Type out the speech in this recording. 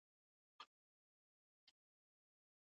په مختلفه توګه ښي او د ښودنې طریقه